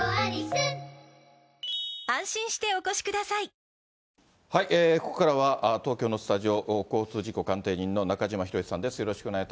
このあと、ここからは、東京のスタジオ、交通事故鑑定人の中島博史さんです。